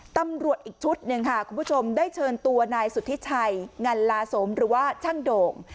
ตำรวจอีกชุดหนึ่งค่ะคุณผู้ชมได้เชิญตัวนายสุธิชัยงันลาสมหรือว่าช่างโด่ง